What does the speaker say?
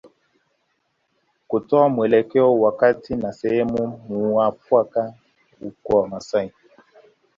Kutoa mwelekeo wakati na sehemu muafaka kwa Wamaasai